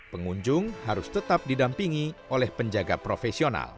pengunjung harus tetap didampingi oleh penjaga profesional